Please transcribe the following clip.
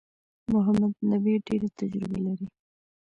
محمد نبي ډېره تجربه لري.